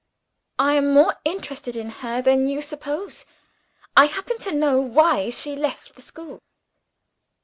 "I am more interested in her than you suppose I happen to know why she left the school."